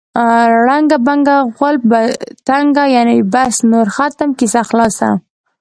ړنګه بنګه غول په تنګه. یعنې بس نور ختم، کیسه خلاصه.